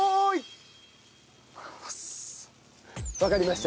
わかりました。